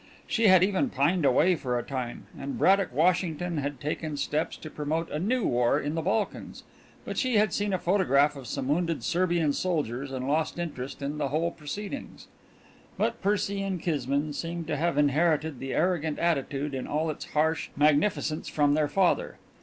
She had even pined away for a time, and Braddock Washington had taken steps to promote a new war in the Balkans but she had seen a photograph of some wounded Serbian soldiers and lost interest in the whole proceedings. But Percy and Kismine seemed to have inherited the arrogant attitude in all its harsh magnificence from their father.